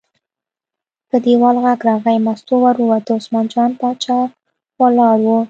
په دیوال غږ راغی، مستو ور ووته، عثمان جان باچا ولاړ و.